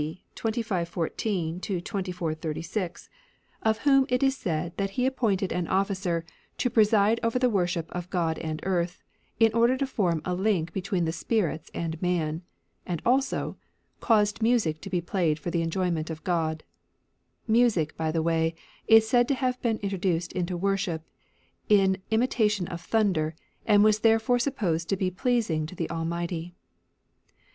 2514r 2436, of 8 THE ANCIENT FAITH whom it is said that he appointed an officer " to preside over the worship of God and Earth, in order to form a link between the spirits and God Wop man/' and also "caused music to SSlh^musIe ^^ played for the enjoyment of God.'' and Music, by the way, is said to have ^®^' been introduced into worship in imitation of thunder, and was therefore sup posed to be pleasing to the Almighty.